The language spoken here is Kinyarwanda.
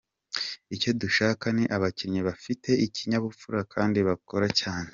Icyo dushaka ni abakinnyi bafite ikinyabupfura kandi bakora cyane.